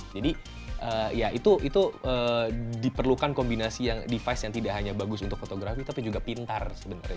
jadi ya itu diperlukan kombinasi yang device yang tidak hanya bagus untuk fotografi tapi juga pintar sebenarnya